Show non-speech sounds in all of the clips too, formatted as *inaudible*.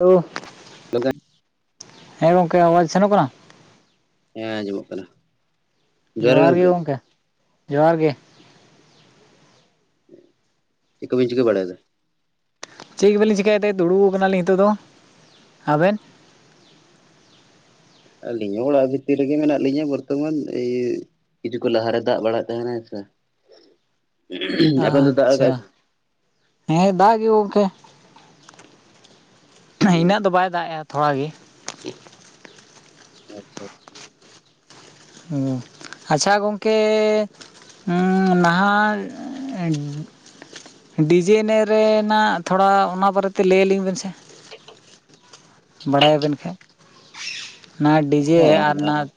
ᱳᱦ *unintelligible* ᱦᱮᱸ ᱜᱚᱝᱠᱮ ᱟᱣᱟᱡᱽ ᱥᱮᱱᱚᱜ ᱠᱟᱱᱟ ᱦᱮᱸ ᱟᱸᱡᱚᱢᱚᱜ ᱠᱟᱱᱟ ᱡᱚᱦᱟᱨ ᱜᱮ ᱜᱚᱢᱠᱮ ᱡᱚᱦᱟᱨ ᱜᱮ ᱪᱮᱜ ᱠᱚᱵᱮᱱ ᱪᱤᱠᱟᱹ ᱵᱟᱲᱟᱭᱮᱫᱟ ᱪᱮᱫ ᱜᱮ ᱵᱟᱹᱞᱤᱧ ᱪᱤᱠᱟᱹᱭᱮᱫ ᱛᱮ ᱫᱩᱲᱩᱵ ᱟᱠᱟᱱᱟ ᱞᱤᱧ ᱱᱤᱛᱚᱜ ᱫᱚ ᱟᱵᱮᱱ? ᱟᱹᱞᱤᱧ ᱦᱚᱸ ᱚᱲᱟᱜ ᱵᱷᱤᱛᱤᱨ ᱨᱮᱜᱮ ᱢᱮᱱᱟᱜ ᱞᱤᱧᱟ ᱵᱚᱨᱛᱚᱢᱟᱱ ᱤ ᱦᱤᱡᱩᱜ ᱠᱚ ᱞᱟᱦᱟ ᱨᱮ ᱫᱟᱜ ᱵᱟᱲᱟᱭᱮᱫ ᱛᱟᱦᱮᱱᱟᱭ ᱥᱮ *inaudible* ᱟᱵᱮᱱ ᱫᱚ ᱫᱟᱜ ᱟᱪᱪᱷᱟ ᱟᱠᱟᱫ ᱦᱮᱸ ᱫᱟᱜ ᱜᱮ ᱜᱚᱝᱠᱮ ᱤᱱᱟᱹᱜ ᱫᱚ ᱵᱟᱭ ᱫᱟᱜ ᱭᱮᱜ-ᱟ ᱛᱷᱚᱲᱟ ᱜᱮ ᱟᱪᱪᱷᱟ ᱟᱪᱪᱷᱟ ᱦᱩᱸ ᱟᱪᱪᱷᱟ ᱜᱚᱝᱠᱮᱻ ᱱᱟᱦᱟᱜ *inaudible* ᱰᱤᱡᱮ ᱮᱱᱮᱡ ᱨᱮᱻᱱᱟᱜ ᱛᱷᱚᱲᱟ ᱚᱱᱟ ᱵᱟᱨᱮ ᱛᱮ ᱞᱟᱹᱭ ᱟᱹᱞᱤᱧ ᱵᱤᱱ ᱥᱮ ᱵᱟᱰᱟᱭᱟᱵᱤᱱ ᱠᱷᱟᱡ ᱚᱱᱟ ᱰᱤᱡᱮ ᱟᱨ ᱱᱟ-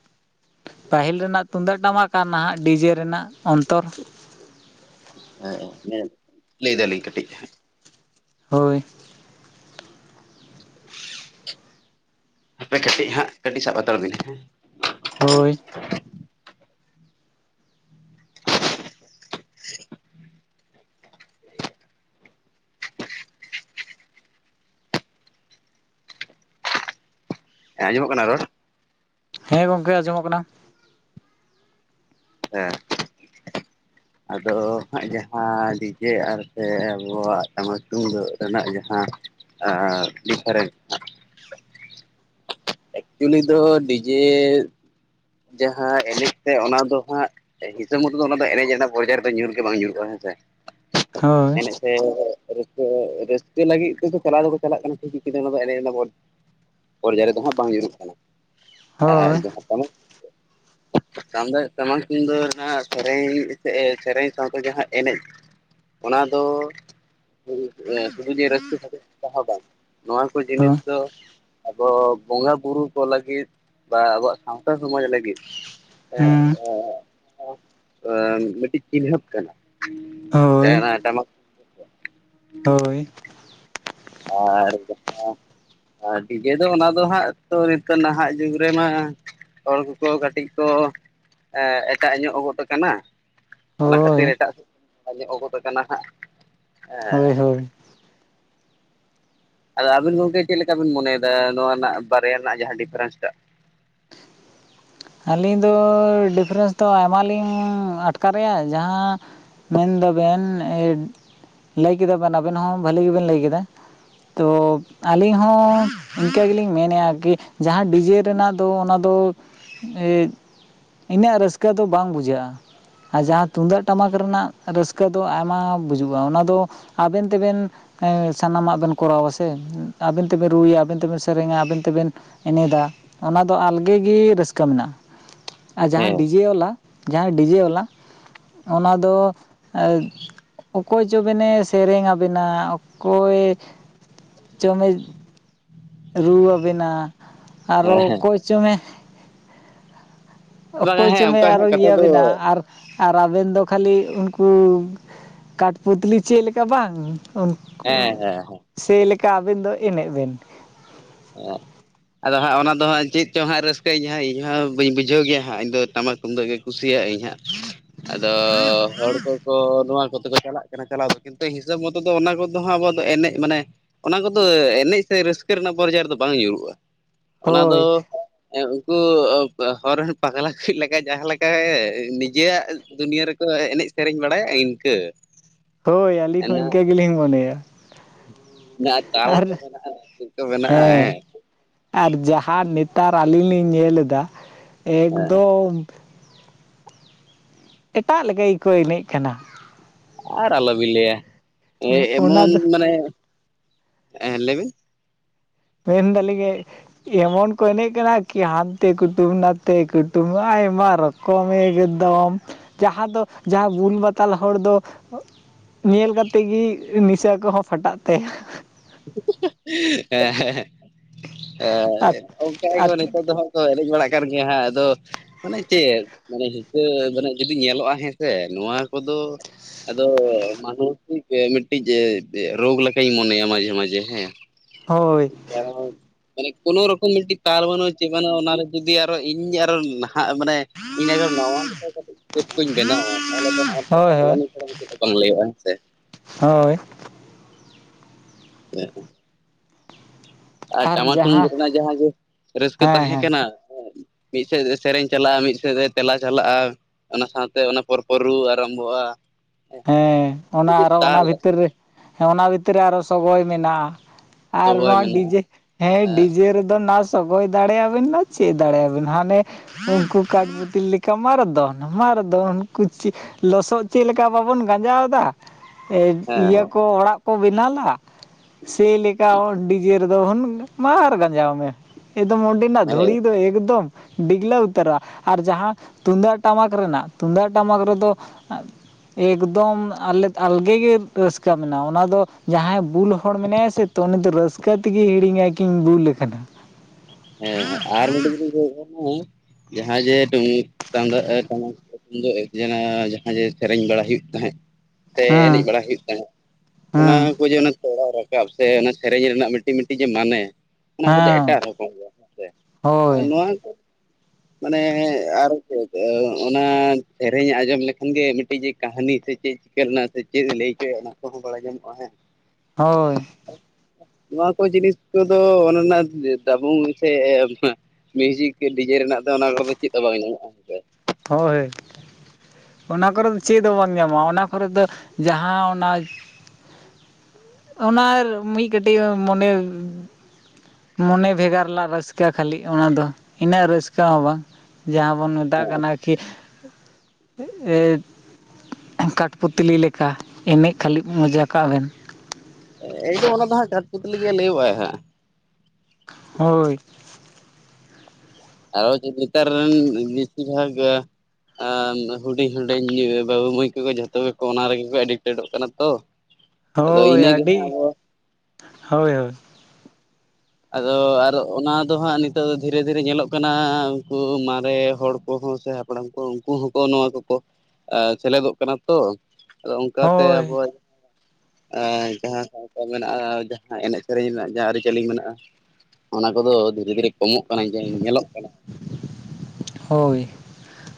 ᱯᱟᱹᱦᱤᱞ ᱨᱮᱱᱟᱜ ᱛᱩᱢᱫᱟᱜ ᱴᱟᱢᱟᱠ ᱟᱨ ᱱᱟᱦᱟᱜ ᱰᱤᱡᱮ ᱨᱮᱱᱟᱜ ᱚᱱᱛᱚᱨ ᱦᱮᱸ ᱞᱟᱹᱭ ᱫᱟᱞᱤᱧ ᱠᱟᱹᱴᱤᱡ ᱦᱚᱭ ᱟᱯᱮ ᱠᱟᱹᱴᱤᱡ ᱦᱟᱸᱜ ᱠᱟᱹᱴᱤᱡ ᱥᱟᱵ ᱦᱟᱛᱟᱲ ᱵᱤᱱ ᱦᱮᱸ ᱦᱳᱭ *inaudible* ᱦᱮᱸ ᱚᱡᱚᱢᱚᱜ ᱠᱟᱱᱟ ᱨᱚᱲ? ᱦᱮᱸ ᱜᱚᱝᱠᱮ ᱟᱸᱡᱚᱢᱚᱜ ᱠᱟᱱᱟ ᱦᱮᱸ ᱟᱫᱚᱻ ᱦᱟᱸᱜ ᱡᱟᱦᱟᱸ ᱰᱤᱡᱮ ᱟᱨᱛᱮ ᱟᱵᱚᱣᱟᱜ ᱴᱟᱢᱟᱠ ᱛᱩᱢᱫᱟᱜ ᱨᱮᱱᱟᱜ ᱡᱟᱦᱟᱸ ᱟᱨ ᱰᱤᱯᱷᱨᱮᱱᱴ ᱮᱠᱪᱩᱞᱤ ᱫᱚ ᱰᱤᱡᱮᱻ ᱡᱟᱦᱟᱸ ᱮᱱᱮᱡ ᱛᱮ ᱚᱱᱟ ᱫᱚ ᱦᱟᱸᱜ ᱦᱤᱥᱟᱹᱵᱽ ᱢᱚᱛᱚ ᱫᱚ ᱚᱱᱟ ᱫᱚ ᱮᱱᱮᱡ ᱨᱮᱱᱟᱜ *unintelligible* ᱫᱚ ᱧᱩᱨ ᱜᱮ ᱵᱟᱝ ᱧᱩᱨᱩᱜ-ᱟ ᱦᱮᱸ ᱥᱮ ᱦᱚᱭ ᱥᱮ ᱨᱟᱹᱥᱠᱟᱹ ᱨᱟᱹᱥᱠᱟᱹ ᱞᱟᱹᱜᱤᱫ ᱛᱮᱫᱚ ᱪᱟᱞᱟᱣ ᱫᱚᱠᱚ ᱪᱟᱞᱟᱜ ᱠᱟᱱᱟ ᱠᱤᱪᱷᱩ ᱫᱚ ᱮᱱᱮᱡ ᱮᱫᱟᱵᱚᱱ ᱯᱚᱨᱡᱟᱭ ᱨᱮᱫᱚ ᱦᱟᱸᱜ ᱵᱟᱝ ᱧᱩᱨᱩᱜ ᱠᱟᱱᱟ ᱟᱨ ᱦᱳᱭ ᱡᱟᱦᱟᱸ ᱠᱟᱱ ᱫᱚ ᱴᱟᱢᱟᱠ ᱛᱩᱢᱫᱟᱜ ᱜᱮ ᱱᱷᱟᱜ ᱥᱮᱨᱮᱧ ᱥᱮᱼᱮ ᱥᱮᱨᱮᱧ ᱥᱟᱶᱛᱮ ᱡᱟᱦᱟᱸ ᱮᱱᱮᱡ ᱚᱱᱟ ᱫᱚ ᱥᱩᱫᱷᱩ ᱡᱮ ᱨᱟᱹᱥᱠᱟᱹ ᱠᱷᱟ. ᱛᱤᱨ *inaudible* ᱛᱮᱵᱟᱝ ᱱᱚᱣᱟ ᱦᱳᱭ ᱡᱤᱱᱤᱥ ᱫᱚ ᱟᱵᱚ ᱵᱚᱸᱜᱟ ᱵᱩᱨᱩ ᱠᱚ ᱞᱟᱹᱜᱤᱫ ᱵᱟ ᱟᱵᱚᱣᱟᱜ ᱥᱟᱶᱛᱟ ᱥᱚᱢᱟᱡᱽ ᱞᱟᱹᱜᱤᱫ ᱦᱩᱸ ᱢᱤᱫᱴᱤᱡ ᱪᱤᱱ ᱦᱟᱹᱯ ᱠᱟᱱᱟ ᱦᱳᱭ *unintelligible* ᱦᱳᱭ ᱟᱨ ᱡᱟᱦᱟᱸ ᱟᱨ ᱰᱤᱡᱮ ᱫᱚ ᱚᱱᱟ ᱫᱚ ᱦᱟᱸᱜ ᱛᱚ ᱱᱤᱛᱚᱜ ᱱᱟᱦᱟᱜ ᱡᱩᱜᱽ ᱨᱮᱢᱟ ᱦᱚᱲ ᱠᱚ ᱠᱟᱹᱴᱤᱡ ᱠᱚ ᱮᱴᱟᱜ ᱧᱚᱜ ᱜᱚᱫ ᱟᱠᱟᱱᱟ ᱚᱱᱟ ᱦᱳᱭ ᱠᱷᱟᱹᱛᱤᱨ ᱮᱴᱟᱜ ᱥᱮᱫ ᱵᱟ ᱧᱚᱜ ᱜᱚᱫ ᱠᱟᱱᱟ ᱦᱟᱸᱜ ᱦᱳᱭ ᱦᱳᱭ ᱟᱫᱚ ᱟᱵᱤᱱ ᱜᱚᱢᱠᱮ ᱪᱮᱫ ᱞᱮᱠᱟ ᱵᱤᱱ ᱢᱚᱱᱮ ᱭᱮᱫᱟ ᱱᱚᱣᱟ ᱨᱮᱱᱟᱜ ᱵᱟᱨᱭᱟ ᱨᱮᱱᱟᱜ ᱡᱟᱦᱟᱸ ᱰᱤᱯᱷᱟᱨᱮᱱᱥ ᱴᱟᱜ ᱟᱹᱞᱤᱧ ᱫᱚ ᱰᱤᱯᱷᱟᱨᱮᱱᱥ ᱫᱚ ᱟᱭᱢᱟ ᱞᱤᱧ ᱟᱴᱠᱟᱨᱮᱜᱼᱟ ᱡᱟᱦᱟᱸ ᱢᱮᱱᱫᱟᱵᱤᱱ ᱞᱟᱹᱭ ᱠᱮᱫᱟ ᱵᱮᱱ ᱟᱵᱤᱱ ᱦᱚᱸ ᱵᱷᱟᱹᱞᱤ ᱜᱮᱵᱤᱱ ᱞᱟᱹᱭ ᱠᱮᱫᱟ ᱛᱚ ᱟᱹᱞᱤᱧ ᱦᱚᱸ ᱤᱱᱠᱟᱹ ᱜᱮᱞᱤᱧ ᱢᱮᱱᱮᱫᱼᱟ ᱠᱤ ᱡᱟᱦᱟᱸ ᱰᱤᱡᱮ ᱨᱮᱱᱟᱜ ᱛᱚ ᱚᱱᱟ ᱫᱚ ᱤᱱᱟᱹᱜ ᱨᱟᱹᱥᱠᱟᱹ ᱫᱚ ᱵᱟᱝ ᱵᱩᱡᱷᱟᱹᱜᱼᱟ ᱟᱨ ᱡᱟᱦᱟᱸ ᱛᱩᱢᱫᱟᱜ ᱴᱟᱢᱟᱠ ᱨᱮᱱᱟᱜ ᱨᱟᱹᱥᱠᱟᱹ ᱫᱚ ᱟᱭᱢᱟ ᱵᱩᱡᱷᱟᱜᱼᱟ ᱚᱱᱟ ᱫᱚ ᱟᱵᱤᱱ ᱛᱮᱵᱤᱱ ᱥᱟᱱᱟᱢᱟᱜ ᱵᱤᱱ ᱠᱚᱨᱟᱣᱟ ᱥᱮ ᱟᱵᱤᱱ ᱛᱮᱵᱤᱱ ᱨᱩᱭᱟ ᱟᱵᱤᱱ ᱛᱮᱵᱤᱱ ᱥᱮᱨᱮᱧᱟ ᱟᱹᱵᱤᱱ ᱛᱮᱵᱤᱱ ᱮᱱᱮᱫᱟ ᱚᱱᱟ ᱫᱚ ᱟᱞᱜᱮ ᱜᱮ ᱨᱟᱹᱥᱠᱟᱹ ᱢᱮᱱᱟᱜᱼᱟ ᱟᱨ ᱡᱟᱦᱟᱸ ᱦᱮᱸ ᱰᱤᱡᱮ ᱵᱟᱞᱟ ᱡᱟᱦᱟᱸᱭ ᱰᱤᱡᱮ ᱵᱟᱞᱟ ᱚᱱᱟ ᱫᱚ ᱚᱠᱚᱭ ᱪᱚ ᱵᱮᱱᱤ ᱥᱮᱨᱮᱧᱟᱵᱤᱱᱟ ᱚᱠᱚᱭ ᱪᱚᱢᱼᱮ ᱨᱩ ᱟᱵᱤᱱᱟ ᱟᱨ ᱦᱮᱸ ᱦᱮᱸ ᱚᱠᱚᱭ ᱪᱚᱝᱼᱮ ᱵᱟᱝᱟ ᱚᱠᱚᱭ ᱦᱮᱸ ᱪᱚᱢᱮ ᱚᱱᱠᱟ ᱟᱨᱚ ᱦᱟᱸᱜ ᱠᱟᱛᱷᱟ ᱤᱭᱟᱹ ᱫᱚ ᱟᱵᱤᱱᱟ ᱟᱨ ᱟᱨ ᱟᱵᱤᱱ ᱫᱚ ᱠᱷᱟᱹᱞᱤ ᱩᱱᱠᱩ ᱠᱟᱴ ᱯᱩᱛᱞᱤ ᱪᱮᱫ ᱞᱮᱠᱟ ᱵᱟᱝ ᱦᱮᱸ ᱦᱮᱸ ᱦᱮᱸ ᱥᱮ ᱞᱮᱠᱟ ᱟᱵᱤᱱ ᱫᱚ ᱮᱱᱮᱡ ᱵᱤᱱ *inaudible* ᱟᱫᱚ ᱦᱟᱸᱜ ᱚᱱᱟ ᱫᱚ ᱦᱟᱸᱜ ᱪᱮᱫ ᱪᱚᱝ ᱦᱟᱸᱜ ᱨᱟᱹᱥᱠᱟᱹ ᱟᱹᱧ ᱦᱟᱸᱜ ᱤᱧ ᱦᱚᱸ ᱵᱟᱹᱧ ᱵᱩᱡᱷᱟᱹᱣ ᱜᱮᱭᱟ ᱦᱟᱸᱜ ᱤᱧᱫᱚ ᱴᱟᱢᱟᱠ ᱛᱩᱢᱫᱟᱜ ᱜᱮ ᱠᱩᱥᱤᱭᱟᱜ ᱟᱹᱧ ᱦᱟᱸᱜ ᱟᱫᱚ ᱦᱚᱲ ᱠᱚᱠᱚ ᱱᱚᱣᱟ ᱠᱚ ᱪᱟᱞᱟᱜ ᱠᱟᱱᱟ ᱪᱟᱞᱟᱣ ᱫᱚ ᱠᱤᱱᱛᱩ ᱦᱤᱥᱟᱹᱵ ᱢᱚᱛᱚ ᱫᱚ ᱚᱱᱟ ᱠᱚᱫᱚ ᱟᱵᱚ ᱫᱚ ᱮᱱᱮᱡ ᱢᱟᱱᱮ ᱚᱱᱟ ᱠᱚᱫᱚ ᱮᱱᱮᱡ ᱥᱮ ᱨᱟᱹᱥᱠᱟᱹ ᱨᱮᱱᱟᱜ ᱯᱚᱨᱡᱟᱭᱫᱚ ᱵᱟᱝ ᱧᱩᱨᱩᱜᱼᱟ᱾ ᱚᱱᱟ ᱫᱚ ᱦᱳᱭ ᱩᱱᱠᱩ ᱦᱚᱨ ᱨᱮᱱ ᱯᱟᱜᱽᱞᱟ ᱠᱚ ᱞᱮᱠᱟ ᱡᱟᱦᱟᱸᱮᱠᱟ ᱱᱤᱡᱮᱨᱭᱟᱜ ᱫᱩᱱᱭᱟᱹ ᱨᱮᱠᱚ ᱮᱱᱮᱡ ᱥᱮᱨᱮᱧ ᱵᱟᱲᱟᱭᱟ ᱤᱱᱠᱟᱹ ᱦᱳᱭ ᱟᱹᱞᱤᱧ ᱦᱚᱸ ᱤᱱᱠᱟᱹ ᱜᱮᱞᱤᱧ ᱢᱚᱱᱮᱭᱟ ᱢᱮᱱᱟᱜᱼᱟ ᱛᱟᱞ ᱟᱨ ᱠᱚ ᱢᱮᱱᱟᱜᱼᱟ ᱪᱮᱫ ᱠᱚ ᱢᱮᱱᱟᱜᱼᱟ ᱦᱮᱸ ᱟᱨ ᱡᱟᱦᱟᱸ ᱱᱮᱛᱟᱨ ᱟᱹᱞᱤᱧ ᱞᱤᱧ ᱧᱮᱞ ᱮᱫᱟ ᱮᱠᱫᱚᱢ ᱮᱴᱟᱜ ᱞᱮᱠᱟ ᱜᱮᱠᱚ ᱮᱱᱮᱡ ᱠᱟᱱᱟ ᱟᱨ ᱟᱞᱚᱵᱤᱱ ᱞᱟᱹᱭᱟ ᱚᱱᱟ ᱮᱢᱚᱱ ᱫᱚ ᱢᱟᱱᱮ ᱞᱟᱹᱭᱵᱤᱱ ᱢᱮᱱᱫᱟᱞᱤᱧ ᱜᱮ ᱮᱢᱚᱱ ᱠᱚ ᱮᱱᱮᱡ ᱠᱟᱱᱟ ᱠᱤ ᱦᱟᱱᱛᱮ ᱠᱩᱴᱩᱢ ᱱᱟᱛᱮ ᱠᱩᱴᱩᱢ ᱟᱭᱢᱟ ᱨᱚᱠᱚᱢ ᱠᱚᱢ ᱮᱠᱫᱚᱢ ᱡᱟᱦᱟᱸ ᱫᱚ ᱡᱟᱦᱟᱸ ᱵᱩᱞ ᱢᱟᱛᱟᱞ ᱦᱚᱲ ᱫᱚ ᱧᱮᱞ ᱠᱟᱛᱮᱫ ᱜᱮ ᱱᱤᱥᱟᱹ ᱠᱚᱦᱚᱸ ᱯᱷᱟᱴᱟᱜ ᱛᱟᱭᱟ ᱦᱮᱸ ᱟᱨ ᱦᱸ ᱚᱱᱠᱟ ᱟᱨ ᱱᱤᱛᱚᱜ ᱫᱚ ᱦᱟᱜ ᱮᱱᱮᱡ ᱵᱟᱲᱟᱜ ᱠᱟᱱ ᱜᱮᱭᱟ ᱦᱟᱸ ᱟᱫᱚ ᱢᱟᱱᱮ ᱪᱮᱫ, ᱢᱟᱱᱮ ᱦᱤᱛᱟᱹ ᱢᱟᱱᱮ ᱡᱩᱫᱤ ᱧᱮᱞᱚᱜᱼᱟ, ᱦᱮᱸᱥᱮ ᱱᱚᱣᱟ ᱠᱚᱫᱚ ᱟᱫᱚᱻ ᱢᱟ, ᱱᱤᱠ ᱢᱤᱫᱴᱤᱡ ᱨᱳᱜᱽ ᱞᱮᱠᱟᱧ ᱢᱚᱱᱮᱭᱟ ᱢᱟᱡᱮ ᱦᱮᱸ ᱦᱳᱭ ᱢᱟᱱᱮ ᱠᱳᱱᱳ ᱨᱚᱠᱚᱢ ᱢᱤᱫᱴᱤᱡ ᱛᱟᱞ ᱵᱟᱹᱱᱩᱜᱼᱟ, ᱪᱮᱫ ᱵᱟᱹᱱᱩᱜᱼᱟ ᱚᱱᱟᱨᱮ ᱡᱩᱫᱤ ᱟᱨᱚ ᱤᱧ ᱟᱨᱚ ᱱᱟᱦᱟᱜ ᱢᱟᱱᱮ ᱤᱧ ᱟᱜᱟᱨ ᱱᱟᱣᱟ ᱞᱮᱠᱟ ᱠᱟᱹᱴᱤᱡ ᱠᱚᱧ ᱵᱮᱱᱟᱣᱟ ᱛᱟᱦᱚᱞᱮ ᱦᱳᱭ ᱯᱟᱜᱽᱞᱟ ᱦᱳᱭ ᱢᱤᱫᱷᱟᱲᱟ ᱫᱚ ᱪᱮᱫ ᱫᱚ ᱵᱟᱝ ᱞᱟᱹᱭᱼᱟ ᱦᱮᱸ ᱥᱮ ᱦᱳᱭ *inaudible* ᱟᱨ ᱴᱟᱢᱟᱠ ᱴᱩᱢᱫᱟ ᱨᱮᱱᱟᱜ ᱡᱟᱦᱟᱸ ᱡᱮ ᱨᱟᱹᱥᱠᱟᱹ ᱦᱮᱸ ᱛᱟᱦᱮᱸ ᱦᱮᱸ ᱟᱠᱟᱱᱟ ᱢᱤᱫ ᱥᱮᱫ ᱥᱮᱨᱮᱧ ᱪᱟᱞᱟᱜᱼᱟ, ᱢᱤᱫ ᱥᱮᱫ ᱮ ᱛᱮᱞᱟ ᱪᱟᱞᱟᱜᱼᱟ᱾ ᱚᱱᱟ ᱥᱟᱶᱛᱮ ᱚᱱᱟ ᱯᱚᱨ ᱯᱚᱨ ᱨᱩ ᱟᱨᱟᱢᱵᱷᱚᱜᱼᱟ᱾ ᱦᱮᱸ ᱚᱱᱟ ᱟᱨᱚ ᱚᱱᱟ ᱛᱟᱞ ᱵᱷᱤᱛᱨᱤ ᱨᱮᱸᱻ ᱚᱱᱟ ᱵᱷᱤᱛᱨᱤ ᱨᱮ, ᱟᱨᱚ ᱥᱚᱜᱚᱭ ᱢᱮᱱᱟᱜᱼᱟ ᱟᱨ ᱛᱚᱵᱮ ᱱᱚᱣᱟ ᱢᱮᱱᱟᱜᱼᱟ ᱰᱤᱡᱮ ᱦᱮᱸ ᱰᱤᱡᱮ ᱨᱮᱫᱚ ᱱᱟᱥᱮ ᱥᱚᱜᱚᱭ ᱫᱟᱲᱮᱭᱟᱵᱤᱱ ᱥᱮ ᱪᱮᱫ ᱫᱟᱲᱮᱭᱟᱵᱤᱱ, ᱦᱟᱱᱮ ᱩᱱᱠᱩ ᱠᱟᱹᱡ ᱵᱟᱹᱤᱛᱤᱞ ᱞᱮᱠᱟ ᱢᱟ ᱨᱮᱫᱱ ᱢᱟ ᱨᱮᱫᱱ ᱩᱱᱠᱩ ᱪᱮᱫ ᱞᱚᱥᱚᱫ ᱪᱮᱫ ᱞᱮᱠᱟ ᱪᱮᱠᱟ ᱵᱟᱵᱚᱱ ᱜᱟᱸᱡᱟᱣᱫᱟ ᱦᱮᱸ ᱤᱭᱟᱹ ᱠᱚ, ᱚᱲᱟᱜ ᱠᱚ, ᱵᱮᱱᱟᱞᱟ ᱥᱮᱭᱞᱮᱠᱟ ᱰᱤᱡᱮ ᱨᱮᱫᱚ ᱦᱩ ᱢᱟᱨ ᱜᱟᱸᱡᱟᱣ ᱢᱮ, ᱮᱠᱫᱚᱢ ᱰᱤ ᱨᱮᱱᱟᱜ ᱦᱮᱸ ᱫᱷᱩᱲᱤ ᱫᱚ ᱮᱠᱫᱚᱢ ᱰᱤᱜᱽᱞᱟᱹᱣ ᱩᱛᱟᱹᱨᱚᱜᱼᱟ ᱟᱨ ᱡᱟᱦᱟᱸ ᱛᱩᱢᱫᱟᱜ ᱴᱟᱢᱟᱠ ᱨᱮᱱᱟᱜ, ᱛᱩᱢᱫᱟᱜ ᱴᱟᱢᱟᱠ ᱨᱮᱫᱚ ᱮᱠᱫᱚᱢ ᱟᱞᱮ ᱟᱞᱜᱮ ᱜᱮ ᱨᱟᱹᱥᱠᱟᱹ ᱢᱮᱱᱟᱜᱼᱟ, ᱚᱱᱟ ᱫᱚ ᱡᱟᱦᱟᱸᱭ ᱵᱩᱞ ᱦᱚᱲ ᱢᱮᱱᱟᱭᱟ ᱥᱮ ᱛᱚ ᱩᱱᱤ ᱫᱚᱚ ᱨᱟᱹᱥᱠᱟᱹ ᱛᱮᱜᱮ ᱦᱤᱲᱤᱧ ᱟᱭ ᱠᱤᱱ ᱵᱩᱞ ᱟᱠᱟᱱᱟ ᱦᱮᱸᱮ ᱟᱨ ᱢᱤᱫᱴᱤᱡ ᱜᱮ ᱡᱟᱦᱟᱸ ᱡᱮ ᱴᱩᱢ ᱴᱩᱢᱫᱟᱜ ᱴᱟᱢᱟᱠ ᱫᱚ ᱡᱟᱸ ᱡᱟᱦᱟᱸ ᱡᱮ ᱥᱮᱨᱮᱧ ᱵᱟᱲᱟ ᱦᱩᱭᱩᱜ ᱛᱟᱦᱮᱸᱫ, ᱥᱮ ᱮᱱᱮᱡ ᱦᱮᱸ ᱵᱟᱲᱟ ᱦᱩᱭᱩᱜ ᱛᱟᱦᱮᱸᱫ ᱦᱮᱸ ᱚᱱᱟ ᱠᱚ ᱡᱮ ᱚᱱᱟ ᱛᱚᱲᱟᱣ ᱨᱟᱠᱟᱵ ᱥᱮ, ᱚᱱᱟ ᱥᱮᱨᱮᱧ ᱨᱮᱱᱟᱜ ᱢᱤᱫᱴᱤᱡ ᱢᱤᱫᱴᱤᱡ ᱡᱮ ᱢᱟᱱᱮ ᱚᱱᱟ ᱠᱚᱫᱚ ᱦᱮᱸ ᱮᱴᱟᱜ ᱨᱚᱠᱚᱢ ᱜᱮ ᱦᱮᱸᱻ ᱥᱮ ᱦᱳᱭ ᱱᱚᱣᱟ ᱠᱚ ᱢᱟᱱᱮᱻ ᱟᱨᱚ ᱪᱮᱫ ᱚᱱᱟ ᱥᱮᱨᱮᱧ ᱟᱸᱡᱚᱢ ᱞᱮᱠᱷᱟᱱ ᱜᱮ ᱢᱤᱫᱴᱤᱡ ᱡᱮ ᱠᱟᱹᱦᱱᱤ ᱥᱮ ᱪᱮᱫ ᱪᱟᱹ ᱥᱮ ᱪᱮᱫ ᱮ ᱞᱟᱹᱭᱠᱮᱼᱟ, ᱚᱱᱟ ᱠᱚᱦᱚᱸ ᱵᱟᱲᱟᱭ ᱧᱟᱢᱚᱜᱼᱟ ᱦᱮᱸᱻ ᱦᱳᱭ ᱱᱚᱣᱟ ᱠᱚ ᱡᱤᱱᱤᱥ ᱠᱚᱫᱚᱻ ᱚᱱᱟ ᱨᱮᱱᱟᱜ ᱥᱟᱵᱩ ᱥᱮ ᱢᱤᱭᱩᱡᱤᱠ ᱰᱤᱡᱮ ᱨᱮᱱᱟᱜ ᱫᱚ ᱚᱱᱟ ᱠᱚᱨᱮ ᱫᱚ ᱪᱮᱫ ᱦᱚᱸ ᱵᱟᱝ ᱧᱟᱢᱚᱜᱼᱟ, ᱦᱮᱸᱥᱮ ᱦᱳᱭ ᱚᱱᱟ ᱠᱚᱨᱮ ᱫᱚ ᱪᱮᱫ ᱫᱚ ᱵᱟᱝ ᱧᱟᱢᱚᱜᱟ, ᱚᱱᱟ ᱠᱚᱨᱚ ᱡᱟᱦᱟᱸ ᱚᱱᱟ ᱚᱱᱟᱻ ᱢᱤᱫ ᱠᱟᱹᱴᱤᱡ ᱢᱚᱱᱮ ᱢᱚᱱᱮ ᱵᱷᱮᱜᱟᱨ ᱞᱮᱫ ᱨᱟᱹᱥᱠᱟᱹ ᱠᱷᱟᱹᱞᱤ ᱚᱱᱟ ᱫᱚ, ᱤᱱᱟᱹᱜ ᱨᱟᱹᱥᱠᱟᱹ ᱦᱚᱸ ᱵᱟᱝ ᱡᱟᱦᱟᱸ ᱵᱚᱱ ᱢᱮᱛᱟᱜ ᱠᱟᱱᱟ ᱠᱤ ᱠᱟᱴᱯᱚᱛᱞᱤ ᱞᱮᱠᱟ, ᱮᱱᱮᱡ ᱠᱷᱟᱹᱞᱤ ᱢᱚᱡᱟ ᱠᱟᱜ ᱵᱮᱱ ᱮᱠᱫᱚᱢ ᱚᱱᱟ ᱫᱚ ᱦᱟᱸᱜ ᱠᱟᱴᱯᱛᱞᱤᱜᱮ ᱞᱟᱹᱭᱚᱜᱟᱭ-ᱟ ᱦᱳᱭ ᱟᱨᱚ ᱡᱩᱫᱤ ᱱᱮᱛᱟᱨ ᱨᱮᱱ ᱵᱮᱥᱤᱨ ᱵᱷᱟᱜᱽ ᱜᱮ ᱮ ᱦᱩᱰᱤᱧ, ᱦᱩᱰᱤᱧ ᱵᱟᱹᱵᱩ-ᱢᱟᱹᱭ ᱛᱟᱠᱚ ᱡᱷᱚᱛᱚ ᱜᱮᱠᱚ ᱚᱱᱟ ᱨᱮᱜᱮ ᱠᱚ ᱮᱰᱤᱠᱴᱮᱰᱚᱜ ᱠᱟᱱᱟ ᱛᱚ ᱟᱫᱚ ᱤᱱᱟᱹᱜᱮ ᱦᱟᱸᱜ ᱦᱳᱭᱻᱟᱹᱰᱤ, ᱦᱳᱭ ᱦᱳᱭ ᱟᱫᱚᱻ ᱟᱨ ᱚᱱᱟ ᱫᱚ ᱦᱟᱸᱜ ᱱᱤᱛᱚᱜ ᱫᱚ ᱫᱷᱤᱨᱮ ᱫᱷᱤᱨᱮ ᱧᱮᱞᱚᱜ ᱠᱟᱱᱟ ᱩᱱᱠᱩᱻ ᱢᱟᱨᱮ ᱦᱚᱲ ᱠᱚᱦᱚᱸ ᱥᱮ ᱦᱟᱯᱲᱟᱢ ᱠᱚ ᱩᱱᱠᱩ ᱦᱚᱸᱠᱚ ᱱᱚᱣᱟ ᱠᱚᱠᱚ, ᱥᱮᱞᱮᱫᱚᱜ ᱠᱟᱱᱟ ᱛᱚ ᱟᱫᱚ ᱚᱱᱠᱟᱛᱮ ᱦᱳᱭ ᱟᱵᱚᱣᱟᱜ ᱮ ᱡᱟᱦᱟᱸ ᱥᱟᱶᱛᱟ ᱢᱮᱱᱟᱜᱼᱟ ᱡᱟᱦᱟᱸ ᱮᱱᱮᱡ ᱥᱮᱨᱮᱧ ᱨᱮᱱᱟᱜ ᱡᱟᱦᱟᱸ ᱟᱹᱨᱤᱪᱟᱹᱞᱤ ᱢᱮᱱᱟᱜᱼᱟ ᱚᱱᱟ ᱠᱚᱫᱚ ᱫᱷᱤᱨᱮ ᱫᱷᱤᱨᱮ ᱠᱚᱢᱚᱜ ᱠᱟᱱᱟ ᱡᱮ, ᱧᱮᱞᱚᱜ ᱠᱟᱱᱟ ᱦᱳᱭ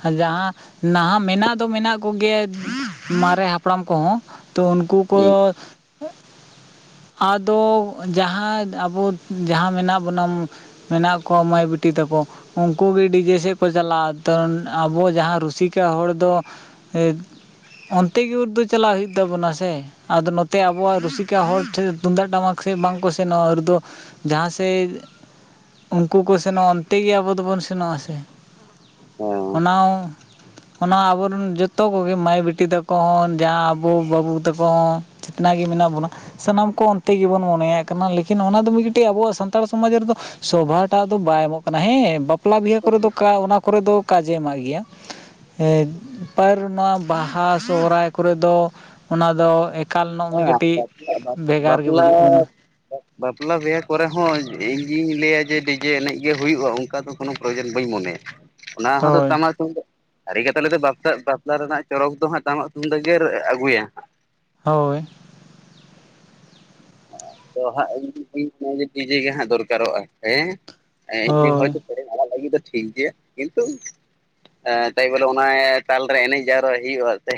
ᱟᱨ ᱡᱟᱦᱟᱸ ᱱᱟᱦᱟᱜ ᱢᱮᱱᱟᱜ ᱫᱚ ᱢᱮᱱᱟᱜ ᱠᱚᱜᱮᱭᱟ, ᱢᱟᱨᱮ ᱦᱟᱯᱲᱟᱢ ᱠᱚᱦᱚᱸ ᱛᱚ ᱩᱱᱠᱩ ᱠᱚ ᱟᱫᱚᱻᱡᱟᱦᱟᱸ ᱟᱵᱚ ᱡᱟᱦᱟᱸ ᱢᱮᱱᱟᱜ ᱵᱚᱱᱟ ᱢᱮᱱᱟᱜ ᱠᱚᱣᱟ ᱢᱟᱹᱭ ᱵᱤᱴᱤ ᱛᱟᱠᱚ ᱩᱱᱠᱩᱩᱜ ᱜᱮ ᱰᱤᱡᱮ ᱥᱮᱫ ᱠᱚ ᱪᱟᱞᱟᱜᱼᱟ ᱛᱚ ᱟᱵᱚ ᱡᱟᱦᱟᱸ ᱨᱩᱥᱤᱠᱟ ᱦᱚᱲ ᱫᱚ ᱚᱱᱛᱮ ᱜᱮ ᱩᱨᱫᱚ ᱪᱟᱞᱟᱜ ᱦᱩᱭᱩᱜ ᱛᱟᱵᱚᱱᱟ ᱥᱮ ᱟᱫᱚ ᱱᱚᱛᱮ ᱟᱵᱚᱣᱟᱜ ᱨᱩᱥᱤᱠᱟ ᱦᱚᱲ ᱴᱷᱮᱱ ᱛᱩᱢᱫᱟᱜ ᱴᱟᱢᱟᱠ ᱥᱮ ᱵᱟᱝ ᱠᱚ ᱥᱮ ᱱᱚᱣᱟ ᱨᱩᱫᱚ ᱡᱟᱦᱟᱸ ᱥᱮᱫ ᱩᱱᱠᱩ ᱠᱚ ᱥᱮᱱᱚᱜᱼᱟ ᱚᱱᱛᱮ ᱜᱮ ᱟᱵᱚ ᱫᱚᱵᱚᱱ ᱥᱮᱱᱚᱜᱼᱟ ᱥᱮ *inaudible* ᱥᱟᱶ ᱚᱱᱟ ᱟᱵᱚᱨᱮᱱ ᱡᱚᱛᱚ ᱠᱚᱜᱮ ᱢᱟᱹᱭ ᱵᱤᱴᱤ ᱛᱟᱠᱚ ᱦᱚᱸ ᱡᱟᱦᱟᱸ ᱟᱵᱚ ᱵᱟᱹᱵᱩ ᱛᱟᱠᱚ ᱦᱚᱸ *unintelligible* ᱜᱮ ᱢᱮᱱᱟᱜ ᱵᱚᱱᱟ ᱥᱟᱱᱟᱢ ᱠᱚ ᱚᱱᱛᱮ ᱜᱮᱵᱚᱱ ᱢᱚᱱᱮᱭᱭᱟᱜ ᱠᱟᱱᱟ ᱞᱮᱠᱤᱱ ᱚᱱᱟ ᱫᱚ ᱢᱤᱫ ᱡᱩᱴᱤᱡ ᱟᱵᱚᱣᱟᱜ ᱥᱟᱱᱛᱟᱲ ᱥᱚᱢᱟᱡᱽ ᱨᱮᱫᱚ ᱥᱚᱵᱷᱟᱴᱟᱜ ᱫᱚ ᱵᱟᱭ ᱮᱢᱚᱜ ᱠᱟᱱᱟ ᱦᱮᱸ ᱵᱟᱯᱞᱟ ᱵᱤᱦᱟᱹ ᱠᱚᱨᱮ ᱫᱚ ᱚᱱᱟ ᱠᱚᱨᱮ ᱫᱚ ᱠᱟᱡᱮ ᱮᱢᱟᱜ ᱜᱮᱭᱟ ᱦᱮᱸ ᱛᱟᱣ ᱨᱮ ᱱᱚᱣᱟ ᱵᱟᱦᱟ ᱥᱚᱦᱚᱨᱟᱭ ᱠᱚᱨᱮ ᱫᱚ ᱚᱱᱟ ᱫᱚ ᱮᱠ ᱦᱮᱸ ᱵᱟᱯᱞᱟ ᱜᱮ ᱵᱟᱯᱞᱟ ᱵᱩᱡᱩᱜ ᱠᱟᱱᱟ ᱵᱟᱯᱞᱟ ᱵᱤᱦᱟᱹ ᱠᱚᱨᱮ ᱦᱚᱸ ᱤᱧ ᱜᱤᱧ ᱞᱟᱹᱭᱟ ᱡᱮ ᱰᱤᱡᱮ ᱮᱱᱮᱡ ᱜᱮ ᱦᱩᱭᱩᱜᱼᱟ ᱚᱱᱠᱟ ᱫᱚ ᱠᱳᱱᱳ ᱯᱨᱚᱭᱳᱡᱚᱱ ᱵᱟᱹᱧ ᱢᱚᱱᱮᱭᱟ ᱚᱱᱟ ᱦᱚᱸᱛᱚ ᱦᱳᱭ ᱴᱟᱢᱟᱠ ᱛᱩᱢᱫᱟᱜ ᱥᱟᱹᱨᱤ ᱠᱟᱛᱷᱟ ᱞᱟᱹᱭ ᱫᱚ ᱵᱟᱯᱞᱟ ᱵᱟᱯᱞᱟ ᱨᱮᱱᱟᱜ ᱪᱚᱨᱚᱠ ᱫᱚ ᱦᱟᱸᱜ ᱴᱟᱢᱟᱠ ᱛᱩᱢᱫᱟᱹᱜᱮ ᱟᱹᱜᱩᱭᱟ ᱦᱟᱸᱜ ᱦᱳᱭ ᱟᱫᱚ *unintelligible* ᱰᱤᱡᱮ ᱜᱮ ᱦᱟᱸᱜ ᱫᱚᱨᱠᱟᱨᱚᱜᱼᱟ ᱦᱮᱸ, ᱮᱢᱱᱤ ᱦᱳᱭ ᱦᱳᱭᱛᱚ ᱥᱮᱨᱮᱧ ᱟᱲᱟᱜ ᱞᱟᱹᱜᱤᱫ ᱫᱚ ᱴᱷᱤᱠ ᱜᱮᱭᱟ ᱠᱤᱱᱛᱩ ᱮᱸ ᱛᱟᱭ ᱵᱚᱞᱮ ᱚᱱᱟ ᱛᱟᱞᱨᱮ ᱮᱱᱮᱡ ᱡᱟᱣᱨᱟᱭ ᱦᱩᱭᱩᱜᱼᱟ ᱥᱮ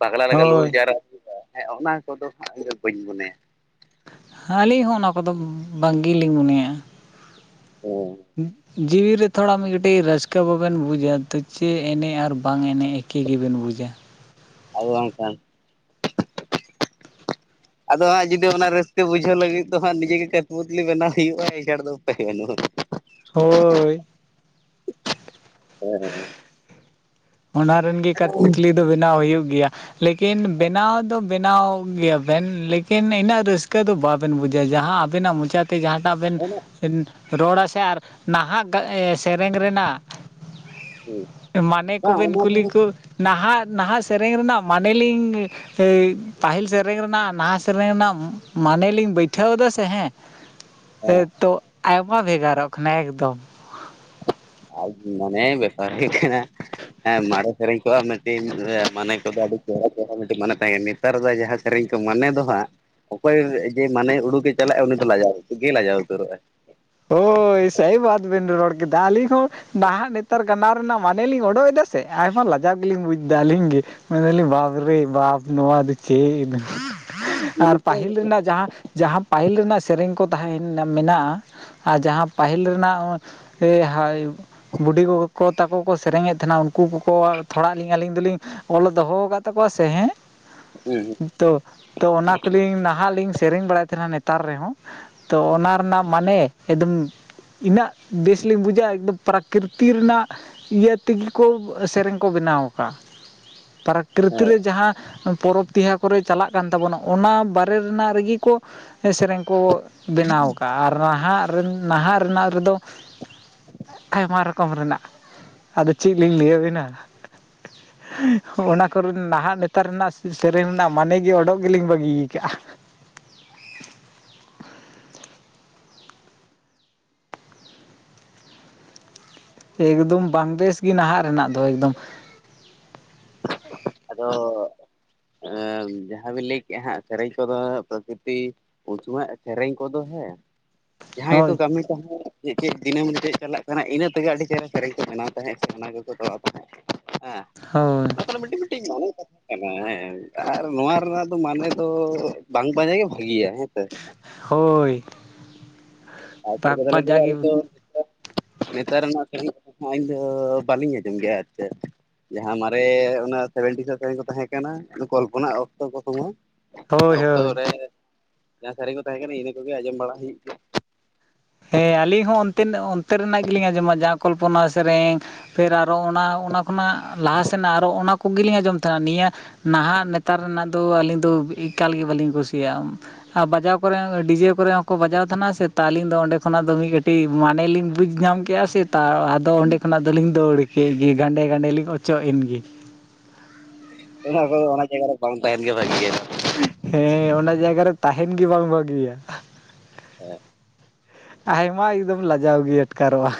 ᱯᱟᱜᱽᱞᱟ ᱞᱮᱠᱟ ᱞᱩᱦᱩᱠ ᱦᱳᱭ ᱡᱟᱣᱨᱟᱭ ᱦᱮᱸ ᱚᱱᱟ ᱠᱚᱫᱚ ᱤᱧᱫᱚ ᱵᱟᱹᱧ ᱢᱚᱱᱮᱭᱟ ᱟᱹᱞᱤᱧ ᱦᱚᱸ ᱚᱱᱟ ᱠᱚᱫᱚ ᱵᱟᱝᱜᱮᱞᱤᱧ ᱢᱚᱱᱮᱭᱟᱜ-ᱟ ᱦᱮ ᱦᱩᱸ ᱡᱤᱣᱤᱨᱮ ᱛᱷᱚᱲᱟ ᱢᱤᱫ ᱠᱟᱹᱴᱤᱡ ᱨᱟᱹᱥᱠᱟᱹ ᱵᱟᱵᱮᱱ ᱵᱩᱡᱟ ᱛᱚ ᱪᱮᱫ ᱮᱱᱮᱡ ᱟᱨ ᱵᱟᱝ ᱮᱱᱮᱡ ᱮᱠᱤ ᱜᱮᱵᱮᱱ ᱵᱩᱡᱟ ᱟᱫᱚ ᱵᱟᱝᱠᱷᱟᱱ ᱟᱫᱚ ᱦᱟᱸᱜ ᱡᱩᱫᱤ ᱚᱱᱟ ᱨᱟᱹᱥᱠᱟᱹ ᱵᱩᱡᱷᱟᱹᱣ ᱞᱟᱹᱜᱤᱫ ᱫᱚ ᱦᱟᱸᱜ ᱱᱤᱡᱮ ᱜᱮ ᱠᱟᱴᱯᱩᱛᱞᱤ ᱵᱮᱱᱟᱣ ᱦᱩᱭᱩᱜᱼᱟ ᱮᱪᱷᱟᱲᱟ ᱫᱚ ᱩᱯᱟᱹᱭ ᱵᱟᱹᱱᱩᱜᱼᱟ ᱦᱳᱭ ᱦᱮᱸ ᱚᱱᱟ ᱨᱮᱱ ᱜᱮ ᱠᱟᱴ ᱯᱚᱛᱞᱤ ᱫᱚ ᱵᱮᱱᱟᱣ ᱦᱩᱭᱩᱜ ᱜᱮᱭᱟ ᱞᱮᱠᱤᱱ ᱵᱮᱱᱟᱣ ᱫᱚ ᱵᱮᱱᱟᱣ ᱜᱮᱭᱟᱵᱮᱱ ᱞᱮᱠᱤᱱ ᱤᱱᱟᱹᱜ ᱨᱟᱹᱥᱠᱟᱹ ᱫᱚ ᱵᱟᱵᱮᱱ ᱵᱩᱡᱟ ᱡᱟᱦᱟᱸ ᱟᱵᱮᱱᱟᱜ ᱢᱚᱪᱟ ᱛᱮ ᱡᱟᱦᱟᱸᱟᱴᱟᱜ ᱚᱱᱟ ᱵᱮᱱ ᱨᱚᱲᱟ ᱥᱮ ᱟᱨ ᱱᱟᱦᱟᱜ ᱥᱮᱨᱮᱧ ᱨᱮᱱᱟᱜ ᱢᱟᱱᱮᱠ ᱵᱟᱝ ᱚᱱᱟ ᱫᱚ ᱱᱟᱦᱟᱜ ᱱᱟᱦᱟᱜ ᱥᱮᱨᱮᱧ ᱨᱮᱱᱟᱜ ᱢᱟᱱᱮᱞᱤᱧ ᱯᱟᱹᱦᱤᱞ ᱥᱮᱨᱮᱧ ᱨᱮᱱᱟᱜ ᱱᱟᱦᱟᱜ ᱥᱮᱨᱮᱧ ᱨᱮᱱᱟᱜ ᱢᱟᱱᱮ ᱞᱤᱧ ᱵᱟᱹᱭᱴᱷᱟᱹᱣ ᱮᱫᱟ ᱥᱮ ᱦᱮᱸ ᱦᱮᱸ ᱦᱮᱸᱛᱚ ᱟᱭᱢᱟ ᱵᱷᱮᱜᱟᱨᱚᱜ ᱠᱟᱱᱟ ᱮᱠᱫᱚᱢ ᱟᱡ ᱢᱟᱱᱮ ᱵᱮᱯᱟᱨ ᱦᱩᱭᱩᱜ ᱠᱟᱱᱟ ᱦᱮᱸ ᱢᱟᱨᱮ ᱥᱮᱨᱮᱧ ᱠᱚ ᱛᱤᱧ ᱢᱟᱱᱮ ᱠᱚᱫᱚ ᱟᱹᱰᱤ ᱪᱮᱦᱨᱟ ᱪᱮᱦᱨᱟ ᱢᱤᱴᱤᱡ ᱢᱟᱱᱮ ᱛᱟᱦᱮᱸ ᱠᱟᱱᱟ, ᱱᱮᱛᱟᱨ ᱫᱚ ᱡᱟᱦᱟᱸ ᱥᱮᱨᱮᱧ ᱠᱚ ᱢᱚᱱᱮ ᱫᱚ ᱦᱟᱸᱜ ᱚᱠᱚᱭ ᱡᱮ ᱢᱟᱱᱮ ᱩᱰᱩᱠᱮ ᱪᱟᱞᱟᱜᱼᱟ ᱩᱱᱤ ᱫᱚ ᱞᱟᱡᱟᱣ ᱩᱛᱟᱹᱨ ᱜᱮᱭ ᱞᱟᱡᱟᱣ ᱩᱛᱟᱹᱨᱚᱜᱼᱟ ᱦᱳᱭ ᱥᱟᱦᱤ ᱵᱟᱛ ᱵᱤᱱ ᱨᱚᱲ ᱠᱮᱫᱟ ᱟᱞᱤᱧ ᱷᱚᱸ ᱱᱟᱦᱟᱼᱜ ᱱᱮᱛᱟᱨ ᱠᱟᱱᱟ ᱨᱮᱱᱟᱜ ᱢᱟᱱᱮ ᱞᱤᱧ ᱚᱰᱚᱠ ᱫᱟ ᱥᱮ ᱟᱨᱦᱚᱸ ᱞᱟᱡᱟᱣ ᱜᱮᱞᱤᱧ ᱵᱩᱡᱽ ᱮᱫᱟ ᱟᱹᱞᱤᱧ ᱜᱮ ᱢᱮᱱ ᱫᱟᱞᱤᱧ ᱵᱟᱯᱨᱮ ᱵᱟᱯ ᱱᱚᱣᱟ ᱫᱚ ᱪᱮᱫ ᱤᱫᱩ ᱟᱨ ᱦᱮᱸ ᱯᱟᱹᱦᱤᱞ ᱨᱮᱱᱟᱜ ᱡᱟᱦᱟᱸ, ᱡᱟᱦᱟᱸ ᱯᱟᱹᱦᱤᱞ ᱨᱮᱱᱟᱜ ᱥᱮᱨᱮᱧ ᱠᱚ ᱛᱟᱦᱮᱸ ᱢᱮᱱᱟᱜ-ᱟ᱾ ᱟᱨ ᱡᱟᱦᱟᱸ ᱯᱟᱹᱦᱤᱞ ᱨᱮᱱᱟᱜ ᱮ ᱦᱟᱭ ᱵᱩᱰᱤ ᱜᱚᱜᱚ ᱛᱟᱠᱚ ᱠᱚ ᱥᱮᱨᱮᱧᱮᱫ ᱛᱟᱦᱮᱱᱟ ᱩᱱᱠᱩ ᱠᱚᱠᱚ ᱛᱷᱚᱲᱟᱞᱤᱧ ᱟᱹᱞᱤᱧ ᱫᱚᱞᱤᱧ ᱚᱞ ᱫᱚᱦᱚᱣᱟᱠᱟᱫ ᱛᱟᱠᱚᱣᱟ ᱥᱮ ᱦᱮᱸ ᱦᱩᱸ ᱦᱩᱸ ᱛᱚ ᱛᱚ ᱚᱱᱟ ᱠᱚᱞᱤᱧ ᱱᱟᱦᱟᱜ ᱞᱤᱧ ᱥᱮᱨᱮᱧ ᱵᱟᱲᱟᱭᱮᱫ ᱛᱟᱦᱮᱱᱟ ᱱᱮᱛᱟᱨ ᱨᱮᱦᱚᱸ ᱛᱚ ᱚᱱᱟ ᱨᱮᱱᱟᱜ ᱢᱟᱱᱮ ᱮᱠᱫᱚᱢ ᱤᱱᱟᱹᱜ ᱵᱮᱥᱞᱤᱧ ᱵᱩᱡᱟ ᱮᱠᱫᱚᱢ ᱯᱨᱟᱠᱨᱤᱛᱤ ᱨᱮᱱᱟᱜ ᱤᱭᱟᱹ ᱛᱮᱜᱮ ᱠᱚ ᱥᱮᱨᱮᱧ ᱠᱚ ᱵᱮᱱᱟᱣ ᱟᱠᱟᱜᱼᱟ ᱯᱨᱟᱠᱨᱤᱛᱤ ᱦᱮᱸ ᱨᱮ ᱡᱟᱦᱟᱸ ᱯᱚᱨᱚᱵᱽ ᱛᱮᱭᱦᱟ ᱠᱚᱨᱮ ᱪᱟᱞᱟᱜ ᱠᱟᱱ ᱛᱟᱵᱚᱱᱟ ᱚᱱᱟ ᱵᱟᱨᱮ ᱨᱮᱱᱟᱜ ᱨᱮᱜᱮ ᱠᱚ ᱥᱮᱨᱮᱧ ᱠᱚ ᱵᱮᱱᱟᱣ ᱠᱟᱜᱼᱟ ᱟᱨ ᱱᱟᱦᱟᱜ ᱨᱤᱱ ᱱᱟᱦᱟᱜ ᱨᱮᱱᱟᱜ ᱨᱮᱫᱚ ᱟᱭᱢᱟ ᱨᱚᱠᱚᱢ ᱨᱮᱱᱟᱜ᱾ ᱟᱫᱚ ᱪᱮᱫ ᱞᱤᱧ ᱞᱟᱹᱭ ᱟᱹᱵᱤᱱᱟ? ᱚᱱᱟ ᱠᱚᱨᱮ ᱱᱟᱦᱟᱜ ᱱᱮᱛᱟᱨ ᱨᱮᱱᱟᱜ ᱥᱮᱨᱮᱧ ᱨᱮᱱᱟᱜ ᱢᱟᱱᱮ ᱜᱮ ᱚᱰᱚᱠ ᱜᱮᱞᱤᱧ ᱵᱟᱹᱜᱤᱭᱟ ᱠᱟᱜᱼᱟ᱾ ᱮᱠᱫᱚᱢ ᱵᱟᱝᱵᱮᱥ ᱜᱮ ᱱᱟᱦᱟᱜ ᱨᱮᱱᱟᱜ ᱫᱚ ᱮᱠᱫᱚᱢ᱾ ᱟᱫᱚ ᱡᱟᱦᱟᱸ ᱵᱤᱱ ᱞᱟ. ᱭ ᱠᱮᱜᱼᱟ ᱦᱟᱸᱜ ᱥᱮᱨᱮᱧ ᱠᱚᱫᱚ ᱯᱨᱚᱠᱨᱤᱛᱤ ᱩᱱ ᱥᱚᱢᱚᱭ ᱥᱮᱨᱮᱧ ᱠᱚᱫᱚ ᱥᱮ ᱡᱟᱦᱟᱸᱭ ᱜᱮᱠᱚ ᱦᱳᱭ ᱠᱟᱹᱢᱤ ᱛᱟᱦᱮᱸᱫ ᱡᱮᱠᱟᱹᱡ ᱫᱤᱱᱟᱹᱢ ᱜᱮᱯᱮ ᱪᱟᱞᱟᱜ ᱠᱟᱱᱟ ᱤᱱᱟᱹ ᱛᱮᱜᱮ ᱟᱹᱰᱤ ᱪᱮᱦᱨᱟ ᱥᱮᱨᱮᱧ ᱠᱚ ᱵᱮᱱᱟᱣ ᱛᱟᱦᱮᱸᱫ ᱚᱱᱟ ᱜᱮᱠᱚ ᱛᱚᱨᱟᱣ ᱛᱟᱦᱮᱸᱫ᱾ ᱦᱮᱸ ᱦᱳᱭ᱾ ᱚᱸᱱᱟ ᱢᱤᱫᱴᱤᱡ ᱢᱤᱫᱴᱤᱝ᱾ ᱦᱮᱸ ᱟᱨ ᱱᱚᱣᱟ ᱨᱮᱱᱟᱜ ᱫᱚ ᱢᱟᱱᱮ ᱫᱚ ᱵᱟᱝ ᱯᱟᱸᱡᱟ ᱜᱮ ᱵᱷᱟᱹᱜᱤᱭᱟ ᱦᱮᱸ ᱪᱮ ᱦᱳᱭ᱾ ᱟᱨ ᱥᱟᱨᱤ ᱵᱟᱠ ᱠᱟᱛᱷᱟ ᱞᱟᱹᱭ ᱛᱮᱫ ᱯᱷᱟᱡᱟ ᱜᱮ ᱟᱞᱤᱧ ᱫᱚ ᱱᱮᱛᱟᱨ ᱨᱮᱱᱟᱜ *unintelligible* ᱟᱹᱞᱤᱧ ᱫᱚ ᱵᱟᱹᱞᱤᱧ ᱟᱸᱡᱚᱢ ᱜᱮᱭᱟ ᱥᱮ ᱪᱮᱫ᱾ ᱡᱟᱦᱟᱸ ᱢᱟᱨᱮ ᱚᱱᱟ ᱥᱮᱵᱷᱮᱱᱴᱤ ᱠᱚ ᱛᱟᱦᱮᱸ ᱠᱟᱱᱟ ᱠᱚᱞᱯᱚᱱᱟ ᱚᱠᱛᱚ ᱠᱚ ᱥᱚᱢᱚᱭ ᱦᱳᱭ ᱚᱠᱛᱚ ᱦᱳᱭ ᱨᱮ ᱡᱟᱦᱟᱸ ᱥᱟᱹᱨᱤ ᱠᱚ ᱛᱟᱦᱮᱸᱠᱟᱱᱟ ᱤᱱᱟᱹ ᱠᱚᱜᱮ ᱟᱸᱡᱚᱢ ᱵᱟᱲᱟ ᱦᱩᱭᱩᱜ ᱠᱟᱱᱟ᱾ ᱦᱮᱸ ᱟᱹᱞᱤᱧ ᱦᱚᱸ ᱚᱱᱛᱮ ᱚᱱᱛᱮ ᱨᱮᱱᱟᱜ ᱜᱮᱞᱤᱧ ᱟᱸᱡᱚᱢᱟ ᱡᱟᱦᱟᱸ ᱠᱚᱞᱯᱚᱱᱟᱼᱟᱜ ᱥᱮᱨᱮᱧ᱾ ᱯᱷᱮᱨ ᱟᱨᱚ ᱚᱱᱟ ᱚᱱᱟ ᱠᱷᱚᱱᱟᱜ ᱞᱟᱦᱟ ᱥᱮᱱᱟᱜ ᱟᱨᱚ ᱚᱱᱟ ᱠᱚᱜᱮᱞᱤᱧ ᱟᱸᱡᱚᱢ ᱛᱟᱦᱮᱱᱟ᱾ ᱱᱤᱭᱟᱹ ᱱᱟᱦᱟᱜ ᱱᱮᱛᱟᱨ ᱨᱮᱱᱟᱜ ᱫᱚ ᱟᱹᱞᱤᱧ ᱫᱚ ᱮᱠᱟᱞ ᱜᱮ ᱵᱟᱹᱞᱤᱧ ᱠᱩᱥᱤᱭᱟᱜᱼᱟ᱾ ᱟᱨ ᱵᱟᱡᱟᱣ ᱠᱚᱨᱮ ᱱᱟ ᱫᱚ ᱰᱤᱡᱮ ᱠᱚᱨᱮ ᱦᱚᱸᱠᱚ ᱵᱟᱡᱟᱣ ᱛᱟᱦᱮᱱᱟ ᱥᱮ ᱛᱚ ᱟᱹᱞᱤᱧ ᱫᱚ ᱚᱸᱰᱮ ᱠᱷᱚᱱᱟᱜ ᱫᱚ ᱢᱤᱫ ᱠᱟᱹᱴᱤᱡ ᱢᱟᱱᱮᱞᱤᱧ ᱵᱩᱡᱽ ᱧᱟᱢ ᱠᱮᱫᱼᱟ ᱥᱮ ᱛᱚ ᱟᱫᱚ ᱚᱸᱰᱮ ᱠᱷᱚᱱᱟᱜ ᱫᱚᱞᱤᱧ ᱫᱟᱹᱲ ᱠᱮᱫ ᱜᱮ ᱜᱟᱸᱰᱮ ᱜᱟᱸᱰᱮ ᱞᱤᱧ ᱚᱪᱚᱜ ᱮᱱᱜᱮ᱾ ᱚᱱᱟᱠᱚᱫᱚ ᱚᱱᱟ ᱡᱟᱭᱜᱟ ᱨᱮ ᱵᱟᱝ ᱛᱟᱦᱮᱱ ᱜᱮ ᱵᱷᱟᱹᱜᱤᱼᱭᱟ᱾ ᱦᱮᱸ ᱚᱱᱟ ᱡᱟᱭᱜᱟ ᱨᱮ ᱛᱟᱦᱮᱱ ᱜᱮ ᱵᱟᱝ ᱵᱷᱟᱹᱜᱤᱭᱟ᱾ ᱦᱮᱸ ᱟᱭᱢᱟ ᱮᱠᱫᱚᱢ ᱞᱟᱡᱟᱣ ᱜᱮ ᱟᱴᱠᱟᱨᱚᱜᱼᱟ᱾